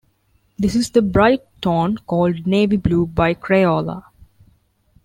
This is the bright tone called "navy blue" by Crayola.